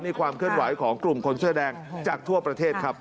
นี่ความเคลื่อนไหวของกลุ่มคนเสื้อแดงจากทั่วประเทศครับ